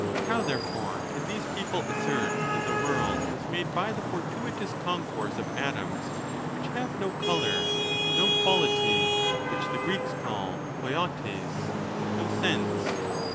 How, there fore, can these people assert that the world was made by the fortuitous concourse of atoms, which have no color, no quality — which the Greeks call iroidrijc, no sense?